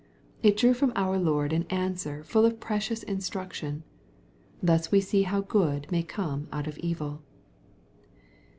It drew from our Lord an answer full of precious instruc tion. Thus we see how good may come out of evil.